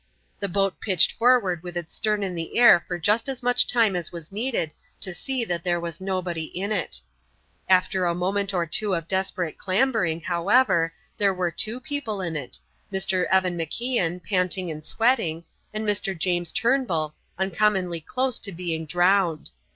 The boat pitched forward with its stern in the air for just as much time as was needed to see that there was nobody in it. After a moment or two of desperate clambering, however, there were two people in it, Mr. Evan MacIan, panting and sweating, and Mr. James Turnbull, uncommonly close to being drowned.